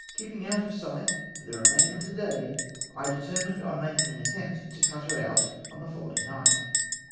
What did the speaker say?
Keeping out of sight for the remainder of CAPTURE OF THE TAPAGEUSE. 189 the day, I determined on making an attempt to cut her out on the following night.